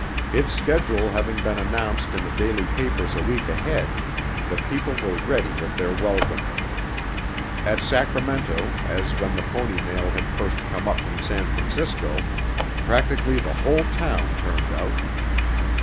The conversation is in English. Its schedule having been announced in the daily papers a week ahead, the people were ready with their welcome. At Sacramento, as when the pony mail had first come up from San Francisco, practically the whole town turned out.